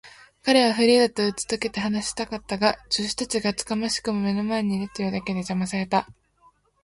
彼はフリーダとうちとけて話したかったが、助手たちが厚かましくも目の前にいるというだけで、じゃまされた。